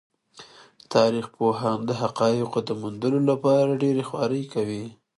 تاریخ پوهان د حقایقو د موندلو لپاره ډېرې خوارۍ کوي.